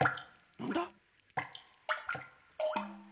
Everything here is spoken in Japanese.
なんだ？